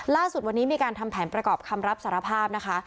ล่าสุดวันนี้มีการทำแผนประกอบคำรับสารภาพนะคะ